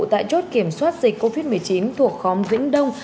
tại chốt kiểm soát dịch covid một mươi chín thuộc khóm vĩnh đông